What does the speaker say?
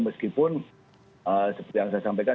meskipun seperti yang saya sampaikan